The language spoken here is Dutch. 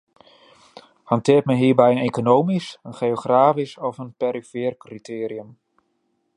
Hanteert men hierbij een economisch, een geografisch of een perifeer criterium?